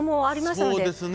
そうですね。